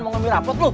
mau ngambil rapet lu